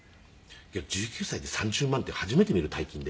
けど１９歳で３０万って初めて見る大金で。